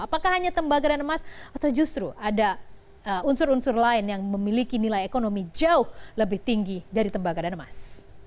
apakah hanya tembaga dan emas atau justru ada unsur unsur lain yang memiliki nilai ekonomi jauh lebih tinggi dari tembaga dan emas